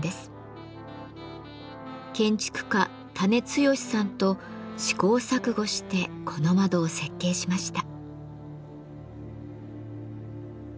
建築家田根剛さんと試行錯誤してこの窓を設計しました。